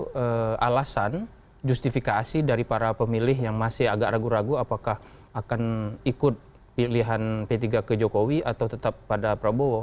itu alasan justifikasi dari para pemilih yang masih agak ragu ragu apakah akan ikut pilihan p tiga ke jokowi atau tetap pada prabowo